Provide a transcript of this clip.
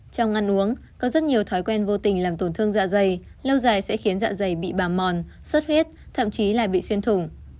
trong ăn uống có rất nhiều thói quen vô tình làm tổn thương dạ dày lâu dài sẽ khiến dạ dày bị bà mòn xuất huyết thậm chí là bị xuyên thủng